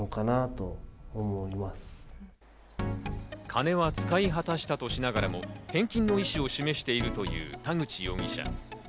金は使い果たしたとしながらも、返金の意思を示しているという田口容疑者。